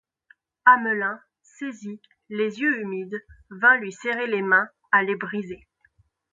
Hamelin, saisi, les yeux humides, vînt lui serrer les mains, à les briser.